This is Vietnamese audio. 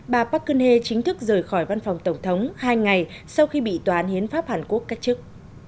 bà park geun hye chính thức rời khỏi văn phòng tổng thống hai ngày sau khi bị tòa án hiến pháp hàn quốc cắt chức